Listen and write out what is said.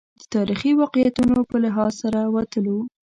د تاریخي واقعیتونو په لحاظ سره وتلو.